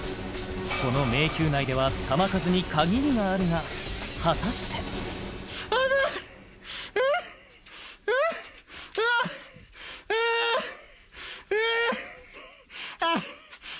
この迷宮内では弾数に限りがあるが果たしてうわっえーえーあっ！